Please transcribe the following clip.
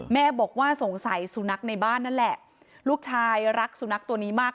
แม่บอกว่าสงสัยสุนัขในบ้านนั่นแหละลูกชายรักสุนัขตัวนี้มาก